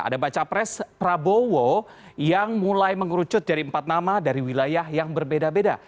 ada baca pres prabowo yang mulai mengerucut dari empat nama dari wilayah yang berbeda beda